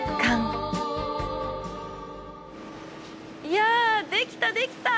いやできたできた！